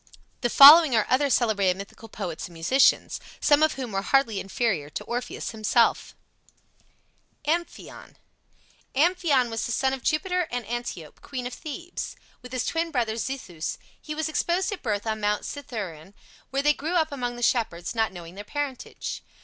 The following are other celebrated mythical poets and musicians, some of whom were hardly inferior to Orpheus himself: AMPHION Amphion was the son of Jupiter and Antiope, queen of Thebes. With his twin brother Zethus he was exposed at birth on Mount Cithaeron, where they grew up among the shepherds, not knowing their parentage.